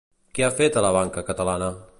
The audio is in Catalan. Què ha fet a la Banca Catalana?